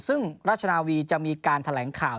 ซึ่งราชนาวีจะมีการแถลงข่าว